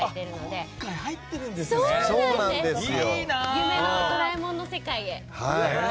夢の「ドラえもん」の世界へ。